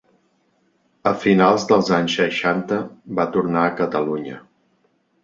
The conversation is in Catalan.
A finals dels anys seixanta va tornar a Catalunya.